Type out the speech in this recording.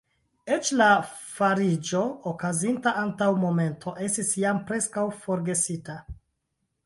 Eĉ la fariĝo, okazinta antaŭ momento, estis jam preskaŭ forgesita.